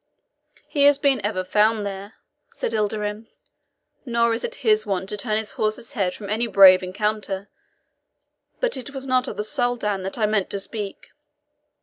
"He has been ever found there," said Ilderim; "nor is it his wont to turn his horse's head from any brave encounter. But it was not of the Soldan that I meant to speak.